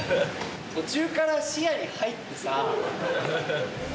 途中から視野に入ってさ。